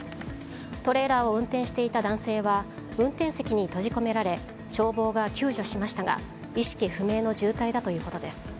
トレーラーを運転していた男性は運転席に閉じ込められ消防が救助しましたが意識不明の重体だということです。